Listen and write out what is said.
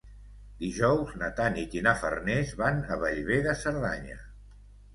Dijous na Tanit i na Farners van a Bellver de Cerdanya.